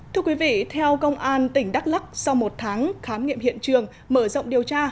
thưa quý vị theo công an tỉnh đắk lắc sau một tháng khám nghiệm hiện trường mở rộng điều tra